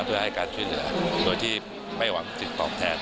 เพื่อให้การช่วยเหลือโดยที่ไม่หวังสิ่งตอบแทน